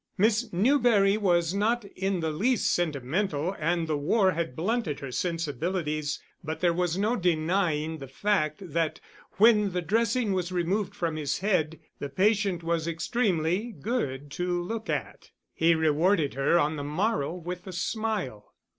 Miss Newberry was not in the least sentimental and the war had blunted her sensibilities, but there was no denying the fact that when the dressing was removed from his head the patient was extremely good to look at. He rewarded her on the morrow with a smile.